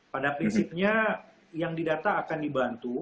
pada prinsipnya yang didata akan dibantu